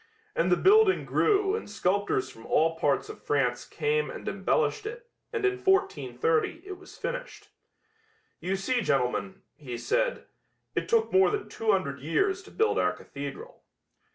And the building grew and sculptors from all parts of France came and embellished it and in 1430 it was finished. You see, gentlemen," he said, "it took more than two hundred years to build our cathedral."